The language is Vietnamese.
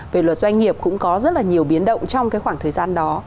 về luật doanh nghiệp cũng có rất là nhiều biến động trong cái khoảng thời gian đó